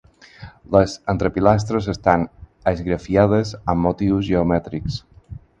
Les entrepilastres estan esgrafiades amb motius geomètrics.